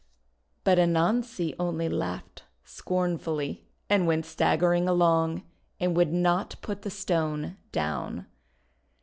'' But Anansi only laughed scornfully, and went staggering along, and would not put the Stone down.